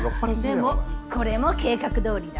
でもこれも計画通りだ。